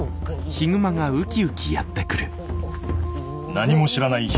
何も知らない悲